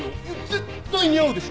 絶対似合うでしょ。